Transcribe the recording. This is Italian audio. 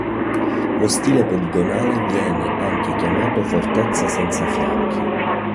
Lo stile poligonale viene anche chiamato "fortezza senza fianchi".